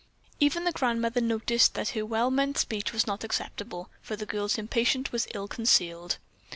Even the grandmother noticed that her well meant speech was not acceptable, for the girl's impatience was ill concealed.